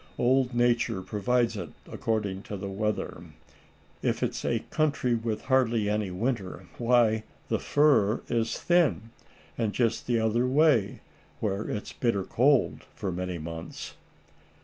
Old Nature provides it according to the weather. If it's a country with hardly any winter, why the fur is thin; and just the other way where it's bitter cold for many months."